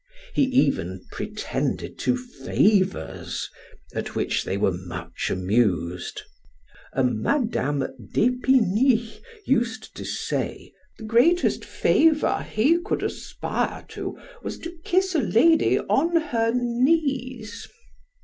He even pretended to favors, at which they were much amused. A Madam D'Epigny used to say "The greatest favor he could aspire to, was to kiss a lady on her knees."